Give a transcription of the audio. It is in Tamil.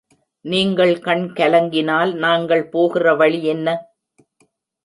நீங்கள் கண் கலங்கினால், நாங்கள் போகிற வழி என்ன?